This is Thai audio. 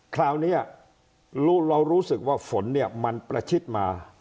คราวนี้เรารู้สึกว่าฝนเนี่ยมันประชิดมา